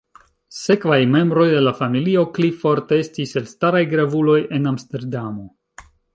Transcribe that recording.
Sekvaj membroj de la familio Clifford estis elstaraj gravuloj en Amsterdamo.